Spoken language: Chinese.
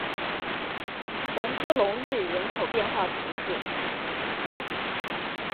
红科隆日人口变化图示